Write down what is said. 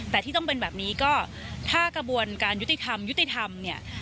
แต่ที่ต้องเป็นแบบนี้ก็ถ้ากระบวนการยุติธรรมยุติธรรมเนี่ย